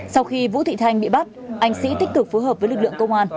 sau khi vũ thị thanh bị bắt anh sĩ tích cực phối hợp với lực lượng công an